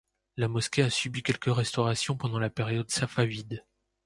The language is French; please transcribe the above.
La mosquée a subi quelques restaurations pendant la période safavide.